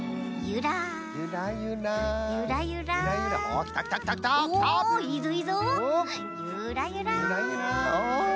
ゆらゆらお。